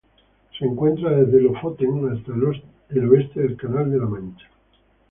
Se encuentra desde Lofoten hasta el oeste del Canal de la Mancha.